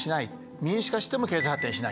民主化しても経済発展しない。